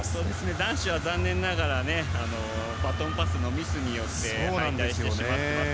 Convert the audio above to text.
男子は残念ながらバトンパスのミスによって逃してしまっている。